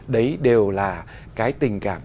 đấy đều là cái tình cảm